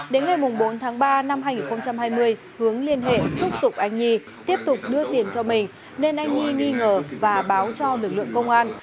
đến ngày bốn tháng ba năm hai nghìn hai mươi hướng liên hệ thúc giục anh nhi tiếp tục đưa tiền cho mình nên anh nhi nghi ngờ và báo cho lực lượng công an